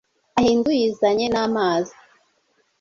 Ahinda uyizanye namazi